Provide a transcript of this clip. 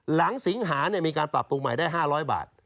สิงหามีการปรับปรุงใหม่ได้๕๐๐บาท